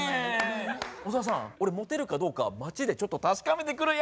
小沢さん俺モテるかどうか街でちょっと確かめてくるよ。